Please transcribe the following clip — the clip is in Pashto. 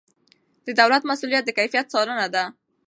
د دولت مسؤلیت د کیفیت څارنه ده.